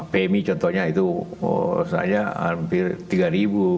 pmi contohnya itu seharusnya hampir tiga rupiah